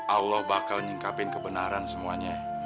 allah bakal nyingkapin kebenaran semuanya